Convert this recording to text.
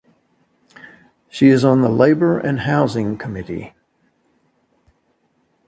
She is on the Labor and Housing committee.